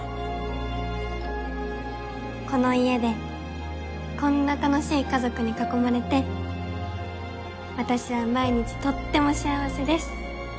「この家でこんな楽しい家族に囲まれて私は毎日とっても幸せです。